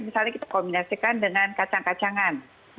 misalnya kita kombinasikan dengan kacang kacangan